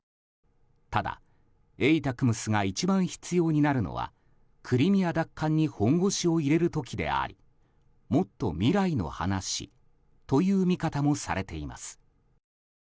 ただ、ＡＴＡＣＭＳが一番必要になるのはクリミア奪還に本腰を入れる時でありもっと未来の話という見方もされています。